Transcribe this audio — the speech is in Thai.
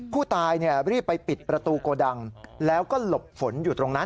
ผู้ตายรีบไปปิดประตูโกดังแล้วก็หลบฝนอยู่ตรงนั้น